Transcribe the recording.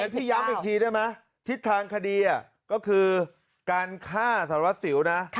พี่ย้ำอีกทีได้ไหมทิศทางคดีก็คือการฆ่าสารวัสสิวนะ